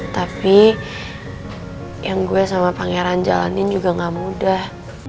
tapi yang gue sama pangeran jalanin juga gak mudah